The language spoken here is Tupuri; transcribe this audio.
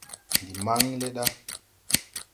Ndi maŋn le ɗa.